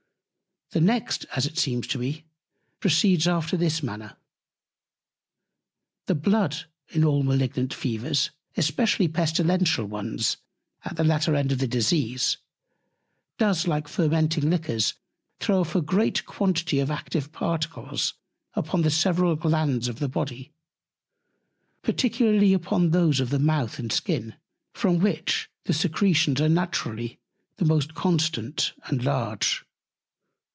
The next, as it seems to me, proceeds after this Manner. The Blood in all Malignant Fevers, especially Pestilential ones, at the latter End of the Disease, does like Fermenting Liquors throw off a great Quantity of active Particles upon the several Glands of the Body, particularly upon those of the Mouth and Skin, from which the Secretions are naturally the most constant and large.